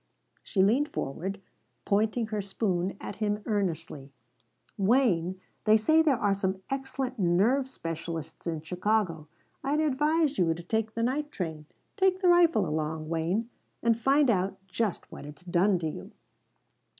She leaned forward, pointing her spoon at him earnestly. "Wayne, they say there are some excellent nerve specialists in Chicago. I'd advise you to take the night train. Take the rifle along, Wayne, and find out just what it's done to you."